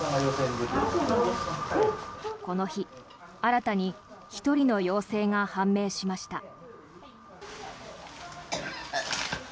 この日、新たに１人の陽性が判明しました。